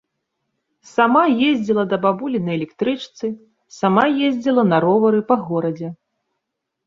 Сама ездзіла да бабулі на электрычцы, сама ездзіла на ровары па горадзе.